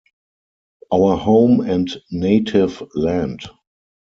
Our home and native land!